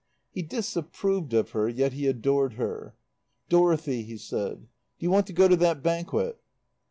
He disapproved of her, yet he adored her. "Dorothy," he said, "do you want to go to that banquet?"